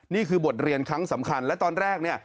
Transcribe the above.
นี่คือบทเรียนครั้งสำคัญและตอนแรกเนี่ย